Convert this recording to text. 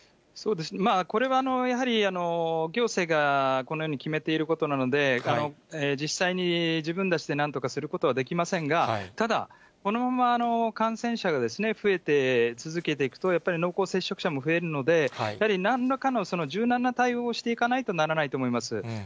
これは、やはり行政がこのように決めていることなので、実際に自分たちで何とかすることはできませんが、ただ、このまま感染者が増え続けていくと、やっぱり濃厚接触者も増えるので、やはりなんらかの柔軟な対応をしていかなきゃならないと思います。